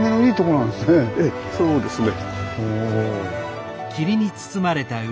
ええそうですね。